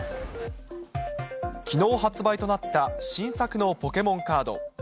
きのう発売となった新作のポケモンカード。